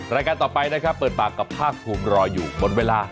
รายการต่อไปนะครับเปิดปากกับภาคภูมิรออยู่บนเวลา